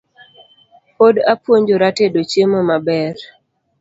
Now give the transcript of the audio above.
Pod apuonjora tedo chiemo maber